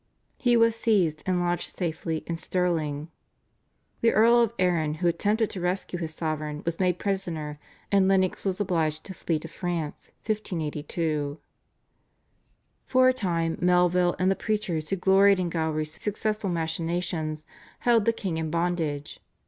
He was seized and lodged safely in Stirling. The Earl of Arran who attempted to rescue his sovereign was made prisoner, and Lennox was obliged to flee to France (1582). For a time Melville and the preachers, who gloried in Gowrie's successful machinations, held the king in bondage.